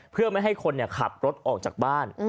เพื่อไม่ให้คนขับรถออกจากบ้าน